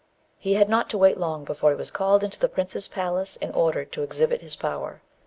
He had not to wait long before he was called into the prince's palace, and ordered to exhibit his power.